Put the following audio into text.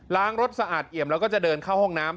ล้างรถสะอาดเอี่ยมแล้วก็จะเดินเข้าห้องน้ำ